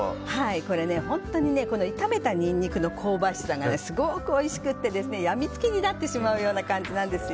これ、本当に炒めたニンニクの香ばしさがすごくおいしくて病みつきになってしまう感じです。